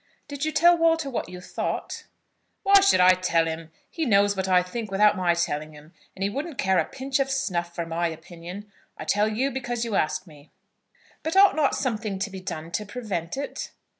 "Did you tell Walter what you thought?" "Why should I tell him? He knows what I think without my telling him; and he wouldn't care a pinch of snuff for my opinion. I tell you because you ask me." "But ought not something to be done to prevent it?"